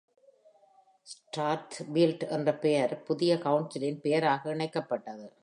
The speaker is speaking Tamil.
"ஸ்ட்ராத்ஃபீல்ட்" என்ற பெயர் புதிய கவுன்சிலின் பெயராக இணைக்கப்பட்டது.